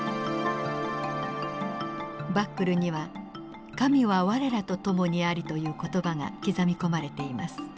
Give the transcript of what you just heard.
バックルには「神は我らと共にあり」という言葉が刻み込まれています。